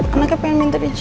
anaknya pengen minta di jio